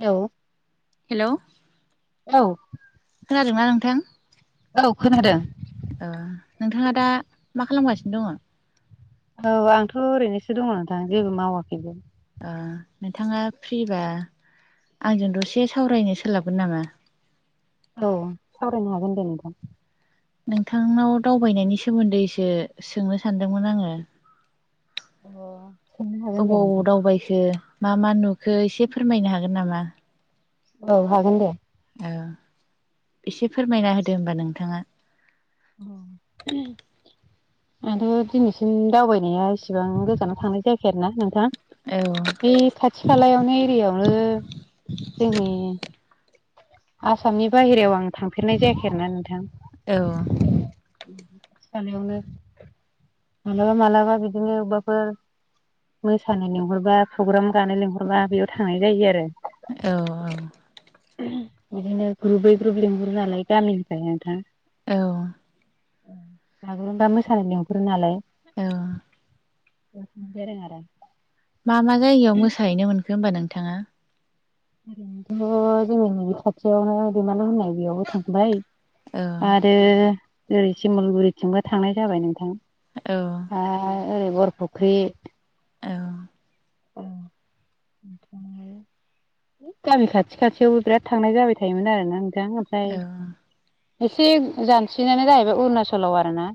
हेल' hello खोनादोंना नोंथां? औ खोनादों। ओ नोंथाङा दा मा खालामगासिनो दङ? औ आंथ' ओरैनोसो दङ नोंथां जेबो मावाखै। नोंथाङा फ्रिबा आंजों दसे सावरायनो सोलाबगोन नामा? औ सावरायनो हागोन दे नोंथां। नोंथांनाव दावबायनायनि सोमोन्दैसो सोंनो सानदोंमोन आङो। अ ओबाव बबाव दावबायखो मा मा नुखो एसे फोरमायनो हागोन नामा? औ हागोन दे। औ एसे फोरमायना होदो होनबा नोंथाङा। [inaudible] आंथ' दिनैसिम दावबायनाया इसिबां गोजानाव थांनाय जायाखै आरो ना नोंथां। औ बे खाथि खालायावनो एरियायावनो जोंनि आसामनि बाहेरायाव आं थांफेरनाय जायाखै आरोना नोंथां। औ थानायावनो मालाबा मालाबा बिदिनो अबाफोर मोसानो लिंहरबा प्रग्राम गानो लिंहरबा बेयाव थांनाय जायो आरो। औ औ बिदिनो ग्रुबै ग्रुुब लिंहरो नालाय गामिनिफ्राय नोंथां। औ बागुरुमबा मोसानो लेंहरो नालाय। औ गोरों आरो। मा मा जायगायाव मोसाहैनो मोनखो होमबा नोंथाङा? अ जोङो नैबे खाथि दैमालु होननाय बेयावबो थांबाय औ आरो ओरै सिमलगुरिथिंबो थांनाय जाबाय नोंथां। औ आरो ओरै बर'फुख्रि औ औ है गामि खाथि खाथियावबो बिराद थांनाय जाबाय थायोमोन आरोना नोंथां ओमफ्राय औ एसे जानसिनानो जाहैबाय अरुणाचलाव आरो ना।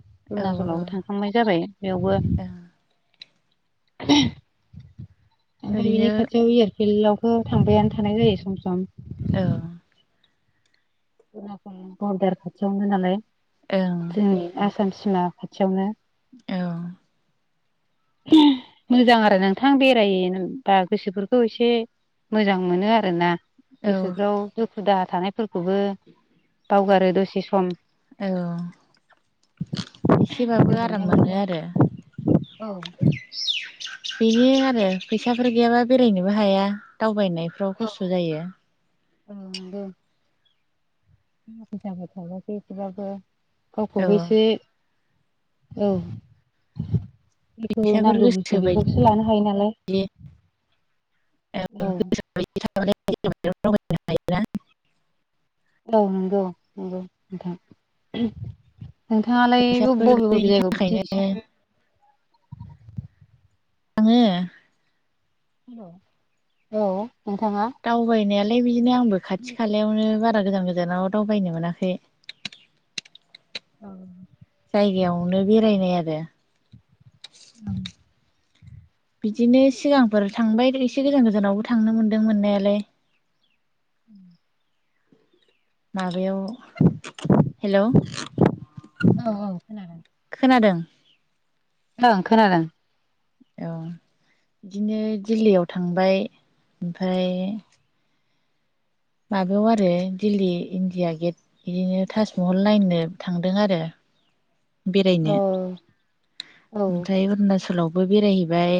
औ अरुणाचलावबो ओं थांखांनाय जाबाय बेयावबो ओमफ्राय बिनि ओरैनो खाथियाव एयारफिल्ड आवबो थांबायानो थानाय जायो सम सम औ अरुनाचल बरदार खाथियावनो नालाय ओं जोंनि आसाम सिमा खाथियावनो औ मोजां आरो नोंथां बेरायबा गोसोफोरखौ एसे मोजां मोनो आरो ना औ गोसोफ्राव दुखु दाहा थानायफोरखौबो बावगारो दसे सम औ एसेबाबो आराम मोनो आरो औ बेनो आरो फैसाफोर गैयाबा बेरायनोबो हाया दावबायनायफ्राव खस्थ जायो औ नंगौ [unintelligible] एसेबाबो औ गावखौबो एसे औ जेखौ फैसाफोर नांगौ गोसो बुस्थु बायदि बेफोरखौसो लानो हायो नालाय औ [unintelligible] औ नंगौ नंगौ नोंथां नोंथाङालाय ओब फैसाफोर बबे बबे गैयिनि जायगायाव थाखायनो दिनैसिम आङो औ नोंथाङा दावबायनायालाय बिदिनो आंबो खाथि खालायावनो बारा गोजान गोजानाव दावबायनो मोनाखै औ जायगायावनो बेरायनाय आरो ओं बिदिनो सिगांफोर थांबाय एसे गोजान गोजानावबो थांनो मोनदों मोननायालाय [unintelligible] माबायाव हेलौ औ औ खोनादों खोनादों ओं खोनादों औ बिदिनो दिल्लीयाव थांबाय ओमफ्राय माबायाव आरो दिल्ली इन्डिया गेट बिदिनो ताजमहल नायनो थांदों आरो बेरायनो औ औ ओमफ्राय अरुणचलाव बो बेरायहैबाय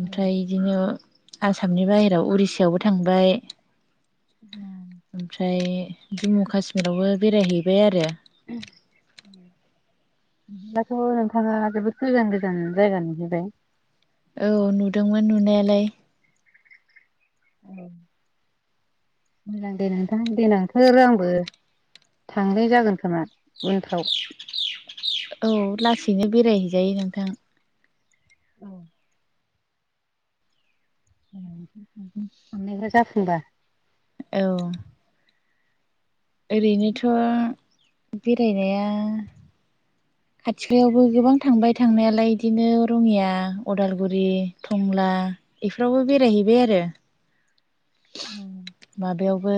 औ बिदिनो आसामनि बाहेरायाव उरिषायावबो थांबाय [unintelligible] ओमफ्राय जम्मु काास्मिरावबो बेरायहैबाय आरो [unintelligible] बिदिब्लाथ नोंथाङा जोबोद गोजान गोजान जायगा नुहैबाय औ नुदोंमोन नुनायालाय [unintelligible] मोजां दे नोंथां देनांफोर आंबो थांनाय जागोन खोमा उनफ्राव औ लासैनो बेरायहैजायो नोंथां औ साननायफ्रा जाफुंबा औ ओरैनोथ बेरायनाया खाथिखालायावबो गोबां थांबाय थांनायालाय इदिनो रङिया उदालगुरि टंला एफोरावबो बेरायहैबाय आरो। औ। माबायावबो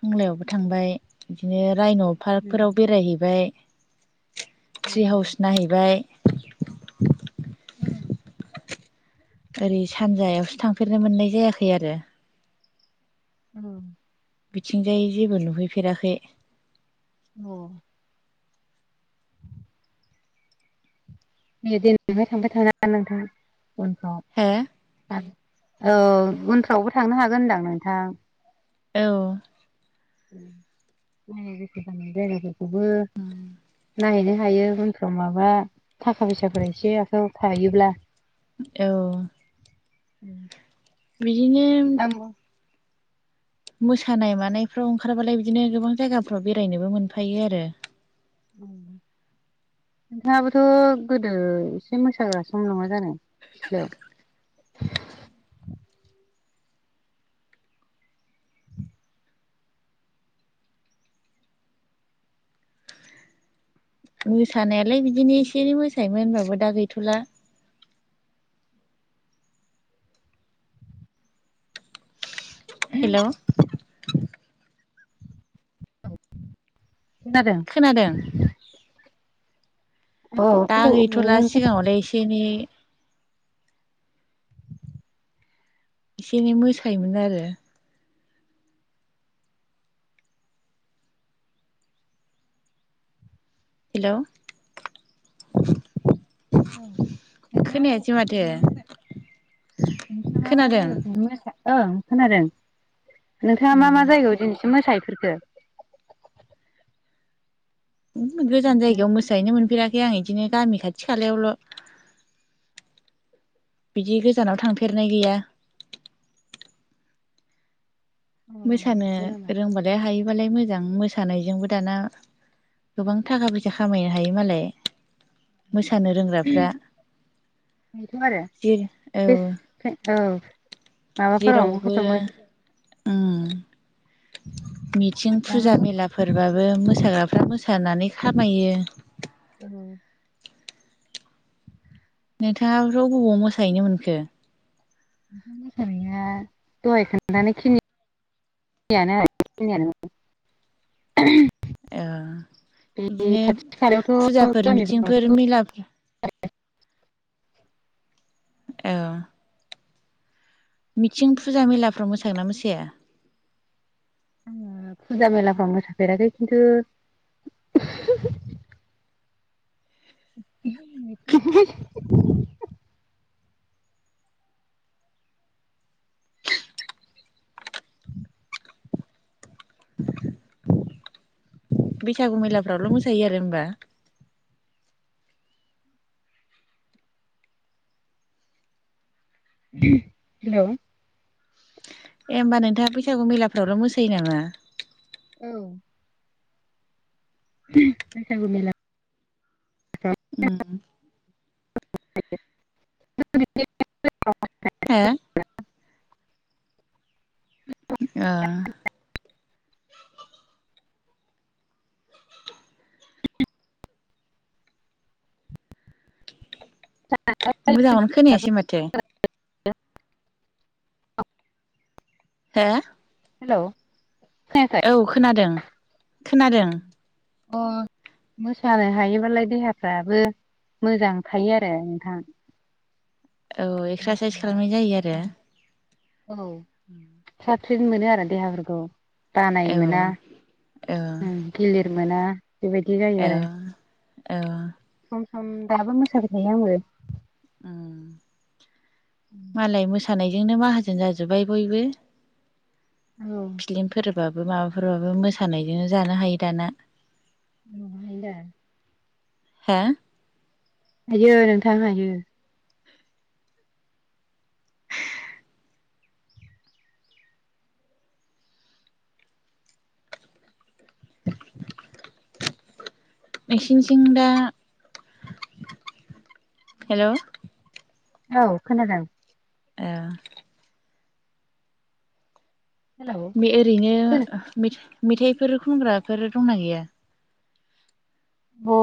टंलायावबो थांबाय बिदिनो रायन' पार्कफोराव बेरायहैबाय ट्रि हाउस नायहैबाय। उम। ओरै सानजायावसो थांफेरनो मोननाय जायाखै आरो। उम। बिथिंजाय जेबो नुहैफेराखै। अ। दे देनांहाय थांबाय थाना नोंथां उनफ्राव। हो औ उनफ्रावबो थांनो हागोन होनदां नोंथां। औ। [unintelligible] जायगाफोरखौबो नायहैनो हायो उन फ्राव माबा थाखा फैसाफोरा एसे आखायाव थायोब्ला। औ। उम। बिदिनो [unintelligible] मोसानाय मानायफ्राव ओंखारबालाय बिदिनो गोबां जायगाफ्राव बेरायनोबो मोनफायो आरो। उम। नोंथाङाबोथ' गोदो एसे मोसाग्रासोमोन नङा जानो सिख्लायाव? [unintelligible] मोसानायालाय बिदिनो एसे एनै मोसायोमोन होनबाबो दा गैथ'ला। हेलौ खोनादों? औ दा गैथ'ला सिगाङावलाय एसे एनै एसे एनै मोसायोमोन आरो। हेलौ औ नोंथाव खोनायासै माथो मा मा जा नोंथा मा खोनादों जायगायाव दनि मोसा? ओं खोनादों। नोंथाङा मा मा उम जायगायाव दिनैसिम मोसाहैफेरखो? उम गोजान जायगायाव मोसाहैनो मोनफेराखै आं इदिनो गामि खाथि खालायावल'। बिदि गोजानाव थांफेरनाय गैया। मोसानो नंगौ नामा रोंबालाय हायोबालाय मोजां मोसानायजोंबो दाना गोबां थाखा फैसा खामायनो हायो मालाय मोसानो रोंग्राफ्रा। दिर औ। टि औ माबाफोरावनोबा खथ' मो ओम। मिथिं, दाना फुजा मेलाफोरबाबो मोसाग्राफ्रा मोसानानै खामायो। औ। नोंथाङाबोथ' हबाव मोसाहैनो मोनखो? उम मोसानाया दहाय खोन्थानाय खिनि [unintelligible] ओ बे बिदिनो खाथि खालायावथ' फुजाफोर गामिफोरावथ' [unintelligible] औ। मिथिं फुजा मेलाफ्राव मोसागोन ना मोसाया? आङो फुजा मेलाफ्राव आं मोसाफेराखै खिन्थु [unintelligible] [unintelligible] बैसागु मैलाफ्रावल' मोसायो आरो होमबा? हेलौ ए होनबा नोंथाङा बैसागु मेलाफ्रावल' मोसायो नामा? औ बैसागु मेला। उम [unintelligible] हो ओ [unintelligible] मोजांखौनो खोनायासै माथो। हो हेलौ खोनायाखै? औ खोनादों खोनादों। अ मोसानो हायोबालाय देहाफ्राबो मोजां थायो आरो नोंथां। औ एक्सारसाइस खालामनाय जायो आरो। औ फ्राथ फ्रिथ मोनो आरो देहाफोरखौ। बानाय मोना औ गिलिर मोना बेबायदि जायो। आरो औ औ सम सम दाबो मोसाबाय थायो आंबो। [unintelligible] मालाय मोसानायजोंनो माहाजोन जाजोब्बाय बयबो। औ फ्लिमफोरबाबो माबाफोरबाबो मोसानायजों जानो हायो दाना। [unintelligible] हो हायो नोंथां हायो। नोंसिनिथिं दा हेलौ। औ खोनादों। ओ हेलौ बे खोना ओरैनो मेथाइफोर खनग्राफोर दंना गैया? अ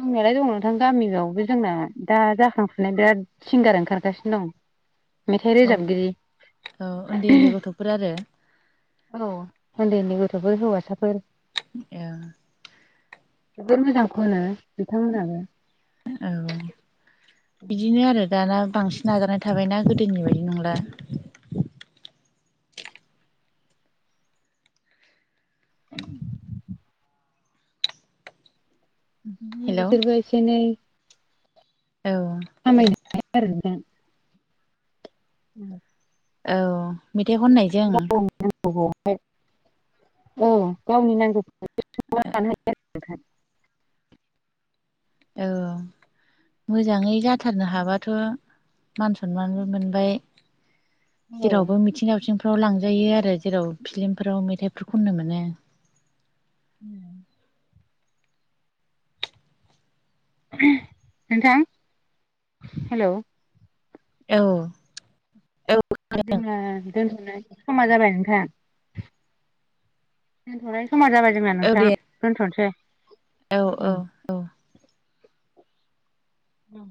जंनायालाय दङ नोंथां गामियावबो जोंना दा जाखांफुनाय बिराद सिंगार ओंखारगासिनो दं। मेथाइ औ रोजाबगिरि। औ उन्दै उन्दै गथ'फोर आरो औ उन्दै उन्दै गथ'फोर हौवासाफोर। ए जोबोर मोजां खनो बिथांमोनहाबो। औ बिदिनो आरो दाना बांसिन नाजानाय थाबायना गोदोनि बायदि नंला। उम बिदिनो हेल' औ बिसोरबो एसे एनै औ खामायनो हाबाय आरो नोंथां। उम औ मेथाइ खननायजों? गावनि औ गावनि नांगौथिखौ सुफुंना लानो हायो। औ मोजाङै जाथारनो हाबाथ'। मान सनमानबो मोनबाय हायो औ जेरावबो मिथिं-दावथिं फ्राव लांजायो आरो जेराव फिलिमफोराव मेथाइफोर खननो मोनो। उम नोंथां हेलौ औ औ जोंना दोनथ'नाय समा जाबाय नोंथां। दोनथ'नायनि समा जाबाय जोंना औ नोंथां दे दोनथ'नोसै। औ औ औ औ